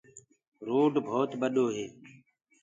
روڊ ڀوت ٻڏو هي۔